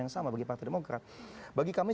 yang sama bagi partai demokrat bagi kami